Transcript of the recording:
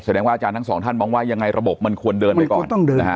แสดงว่าอาจารย์ทั้งสองท่านมองว่ายังไงระบบมันควรเดินไปก่อนนะฮะ